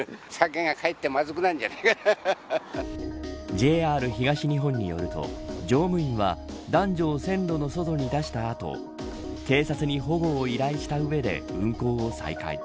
ＪＲ東日本によると乗務員は、男女を線路の外に出した後警察に保護を依頼した上で運行を再開。